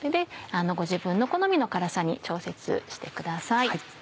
ご自分の好みの辛さに調節してください。